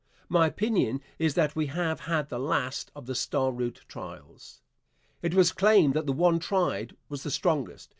My opinion is that we have had the last of the Star Route trials. It was claimed that the one tried was the strongest.